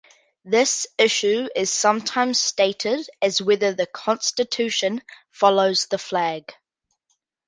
This issue is sometimes stated as whether the Constitution follows the flag.